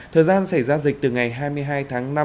thời gian xảy ra dịch từ ngày hai mươi hai tháng năm